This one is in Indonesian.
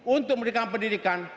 untuk mendidikan pendidikan